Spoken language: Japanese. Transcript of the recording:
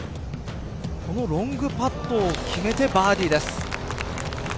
このロングパットを決めてバーディーです。